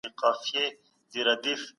خپل کور په پاکوالي سره وځلوئ.